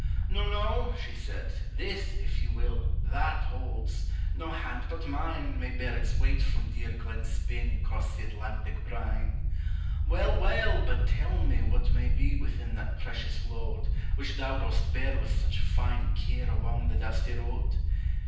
"No, no!" she said; "this, if you will, That holds no hand but mine May bear its weight from dear Glen Spean 'Cross the Atlantic brine!" "Well, well! but tell me what may be Within that precious load, Which thou dost bear with such fine care Along the dusty road?